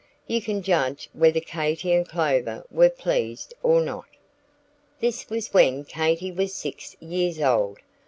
You can judge whether Katy and Clover were pleased or not. This was when Katy was six years old.